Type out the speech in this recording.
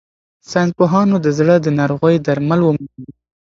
ساینس پوهانو د زړه د ناروغیو درمل وموندل.